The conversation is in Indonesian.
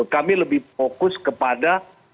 kami lebih fokus kepada